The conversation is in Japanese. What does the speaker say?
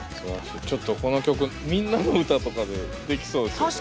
ちょっとこの曲「みんなのうた」とかでできそうですよね。